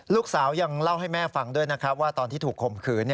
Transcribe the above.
ลูกสาวยังเล่าให้แม่ฟังด้วยนะครับว่าตอนที่ถูกข่มขืน